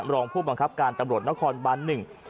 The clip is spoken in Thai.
รองผู้บังคับการตำรวจนครบันหนึ่ง